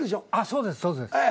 そうですそうです。